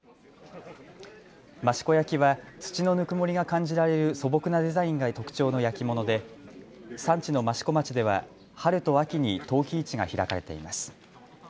益子焼は土のぬくもりが感じられる素朴なデザインが特徴の焼き物で産地の益子町では春と秋に陶器市が開かれています。